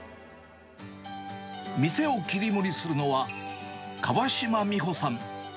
店を切り盛りするのは、川嶋美保さん。